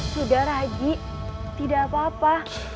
sudah raji tidak apa apa